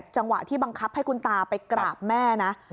จังหวะที่บังคับให้คุณตาไปกราบแม่นะ